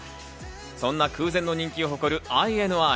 そんな空前の人気を誇るＩＮＩ。